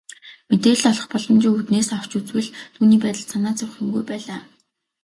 Мэдээлэл олох боломжийн үүднээс авч үзвэл түүний байдалд санаа зовох юмгүй байлаа.